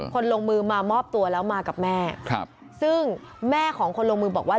ลงมือมามอบตัวแล้วมากับแม่ครับซึ่งแม่ของคนลงมือบอกว่า